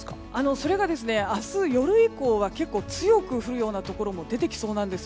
それが、明日夜以降は結構強く降るようなところも出てきそうなんです。